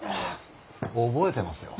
覚えてますよ。